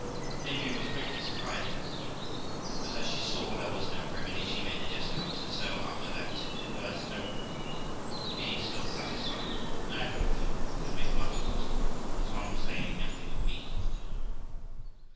Amy was greatly surprised at it; but as she saw there was no remedy, she made a jest of it, and so, after that, conversed openly, being still satisfied that neither of them could make much of it, as long as they knew nothing of me.